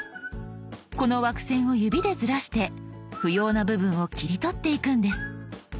この枠線を指でずらして不要な部分を切り取っていくんです。